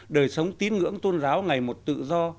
đời sống tín ngưỡng tôn giáo ngày một tự do